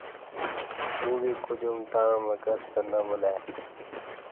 ڈوبی کودیوم تݩع مکستہ نہ بُلہ ای